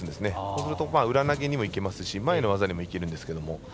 そうすると裏投げにもいけますし前の技にもいけるんですけども。